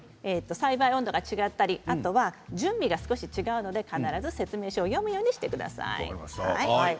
栽培温度が違ったり準備が少し違うので必ず説明書を読むようにしてください。